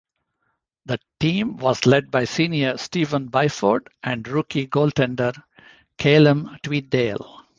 The team was led by senior Stephen Byford, and rookie goaltender Caleum Tweedale.